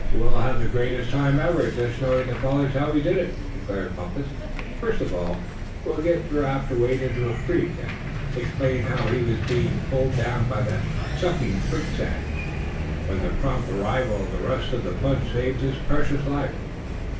"Oh! we'll have the greatest time ever, just showing the fellers how we did it," declared Bumpus. "First of all, we'll get Giraffe to wade into a creek, and explain how he was bein' pulled down by that sucking quicksand, when the prompt arrival of the rest of the bunch saved his precious life.